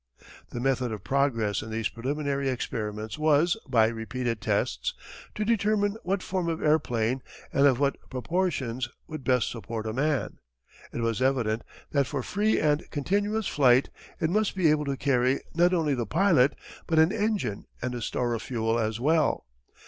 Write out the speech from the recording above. _] The method of progress in these preliminary experiments was, by repeated tests, to determine what form of airplane, and of what proportions, would best support a man. It was evident that for free and continuous flight it must be able to carry not only the pilot, but an engine and a store of fuel as well.